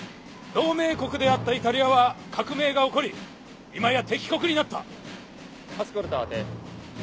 同盟国であったイタリアは革命が起こり今や敵国になった。